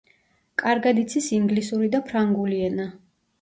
კარგად იცის ინგლისური და ფრანგული ენა.